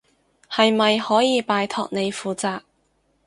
係咪可以拜託你負責？